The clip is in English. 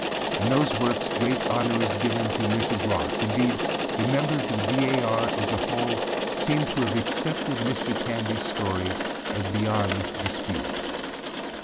In those works great honor is given Mrs. Ross, indeed, the members of the D. A. R. as a whole, seem to have accepted Mr. Canbyâs story as beyond dispute.